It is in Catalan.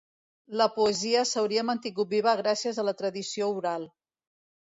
La poesia s'hauria mantingut viva gràcies a la tradició oral.